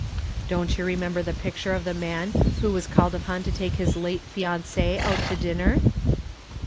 "Don't you remember the picture of the man who was called upon to take his late fiancee out to dinner?"